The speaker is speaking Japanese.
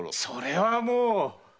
それはもう！